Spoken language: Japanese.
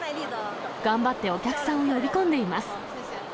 頑張ってお客さんを呼び込んでいます。